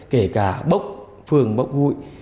kể cả bốc phường bốc hội